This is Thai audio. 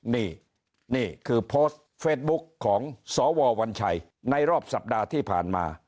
นี่นี่คือโพสต์เฟสบุ๊คของสววัญชัยในรอบสัปดาห์ที่ผ่านมา